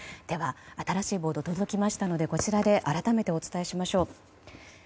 では新しいボード届きましたので改めてお伝えしましょう。